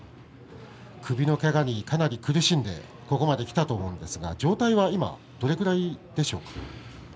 首のけがでかなり苦しんでここまできたわけですが状態は今どれぐらいでしょうか。